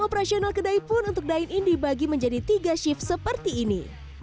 operasional kedai pun untuk dine in dibagi menjadi tiga shift seperti ini